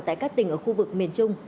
tại các tỉnh ở khu vực miền trung